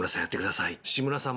志村さん